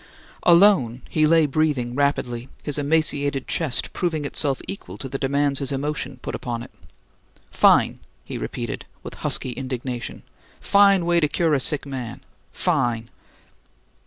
Alone, he lay breathing rapidly, his emaciated chest proving itself equal to the demands his emotion put upon it. "Fine!" he repeated, with husky indignation. "Fine way to cure a sick man! Fine!"